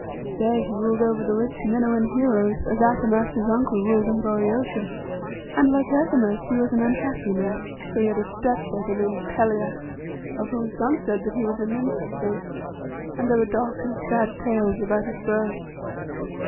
There he ruled over the rich Minuan heroes, as Athamas his uncle ruled in Boeotia; and, like Athamas, he was an unhappy man. For he had a step brother named Pelias, of whom some said that he was a nymph's son, and there were dark and sad tales about his birth.